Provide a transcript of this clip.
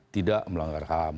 tidak melanggar ham